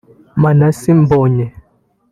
Manassé Mbonye